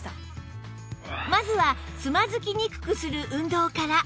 まずはつまずきにくくする運動から